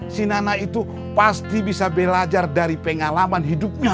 si nana itu pasti bisa belajar dari pengalaman hidupnya